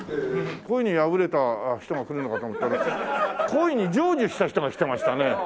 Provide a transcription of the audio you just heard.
恋に破れた人が来るのかと思ったら恋に成就した人が来てましたね。